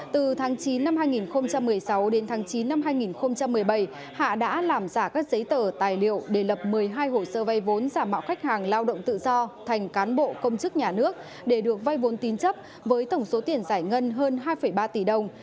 từ tháng chín năm hai nghìn một mươi sáu đến tháng chín năm hai nghìn một mươi bảy hạ đã làm giả các giấy tờ tài liệu để lập một mươi hai hồ sơ vay vốn giảm mạo khách hàng lao động tự do thành cán bộ công chức nhà nước để được vay vốn tín chấp với tổng số tiền giải ngân hơn hai ba tỷ đồng